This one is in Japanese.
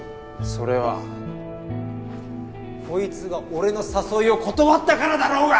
それはこいつが俺の誘いを断ったからだろうが！